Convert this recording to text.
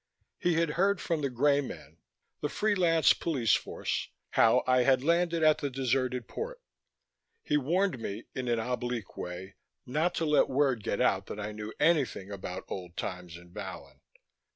He had heard from the Greymen, the free lance police force, how I had landed at the deserted port. He warned me, in an oblique way, not to let word get out that I knew anything about old times in Vallon.